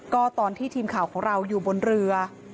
ก็ตอนที่ทีมข่าวของเราอยู่บนเรือ